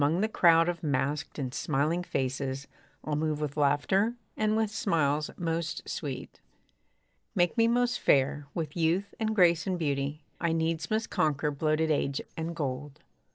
Among the crowd of masked and smiling faces, I'll move with laughter, and with smiles most sweet. Make me most fair! with youth and grace and beauty, I needs must conquer bloated age and gold.